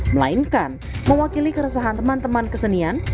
melainkan mewakili keresahan teman teman kesenian